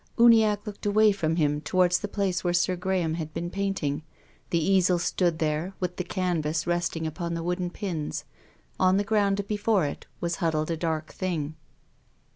Uniacke looked away from him towards the place where Sir Graham had been painting. The easel stood there with the canvas resting upon the wooden pins. On the ground before it was hud dled a dark thing.